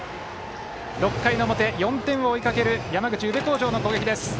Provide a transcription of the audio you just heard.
６回の表、４点を追いかける山口・宇部鴻城の攻撃です。